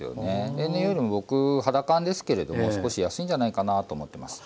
例年よりも僕肌感ですけれども少し安いんじゃないかなと思ってます。